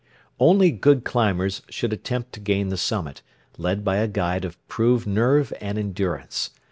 Only good climbers should attempt to gain the summit, led by a guide of proved nerve and endurance.